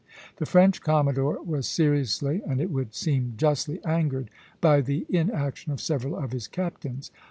The French commodore was seriously, and it would seem justly, angered by the inaction of several of his captains.